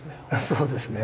そうですね。